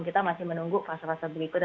kita masih menunggu fase fase berikutnya